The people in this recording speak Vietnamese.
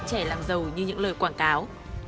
các trẻ làm giàu như những lời quảng cáo